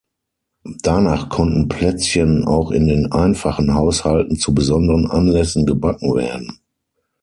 Danach konnten Plätzchen auch in den einfachen Haushalten zu besonderen Anlässen gebacken werden.